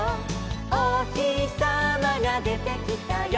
「おひさまがでてきたよ」